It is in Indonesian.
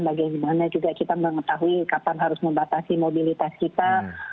bagaimana juga kita mengetahui kapan harus membatasi mobilitas kita